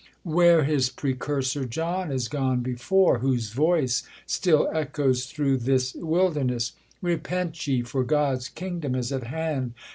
Where his precursor John is gone before ; Whose voice still echoes (hroiigh this wilderness, " Repent ye, for God's Idngdom is at hand